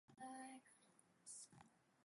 Running times listed are for the Valentin Mix.